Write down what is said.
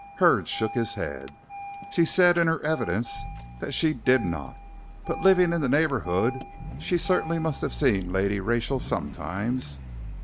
Hurd shook his head. "She said in her evidence that she did not, but living in the neighborhood, she certainly must have seen Lady Rachel sometimes.